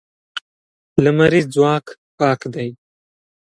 لمریز ځواک پاک دی.